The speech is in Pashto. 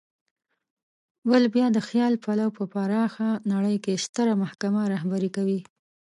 بل بیا د خیال پلو په پراخه نړۍ کې ستره محکمه رهبري کوي.